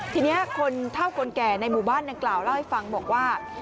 ทีนี้คนเท่าคนแก่ในหมู่บ้านดังกล่าวเล่าให้ฟังบอกว่า